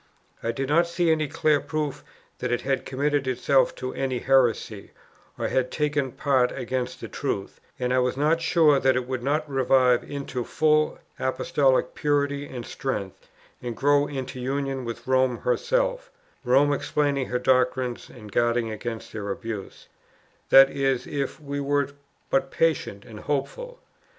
I did not see any clear proof that it had committed itself to any heresy, or had taken part against the truth; and I was not sure that it would not revive into full Apostolic purity and strength, and grow into union with Rome herself (Rome explaining her doctrines and guarding against their abuse), that is, if we were but patient and hopeful.